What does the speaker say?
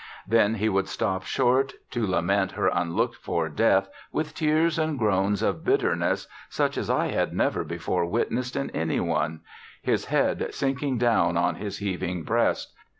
Then he would stop short to lament her unlooked for death with tears and groans of bitterness such as I had never before witnessed in any one, his head sinking down on his heaving breast.